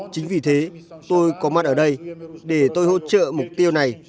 chính vì thế tôi có mặt ở đây để tôi hỗ trợ mục tiêu này